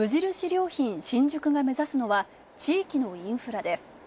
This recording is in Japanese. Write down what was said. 良品新宿が目指すのは地域のインフラです。